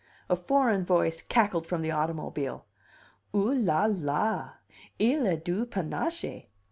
A foreign voice cackled from the automobile: "Oh la la! il a du panache!"